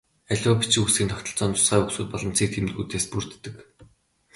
Аливаа бичиг үсгийн тогтолцоо нь тусгай үсгүүд болон цэг тэмдэгтүүдээс бүрддэг.